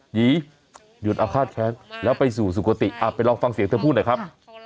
หยุดอาฆาตแค้นแล้วไปสู่สุขติไปลองฟังเสียงเธอพูดหน่อยครับ